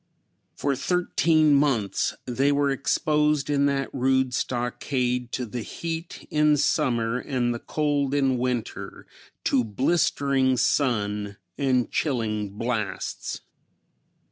For thirteen months they were exposed in that rude stockade to the heat in summer and the cold in winter, to blistering sun and chilling blasts.